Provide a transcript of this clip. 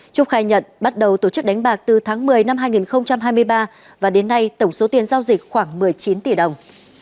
trúc khai nhận bắt đầu tổ chức đánh bạc từ tháng một mươi năm hai nghìn hai mươi ba và đến nay tổng số tiền giao dịch khoảng một mươi chín tỷ đồng